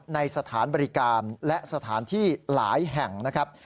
ในสถานบริการและสถานที่หลายแห่งนะครับ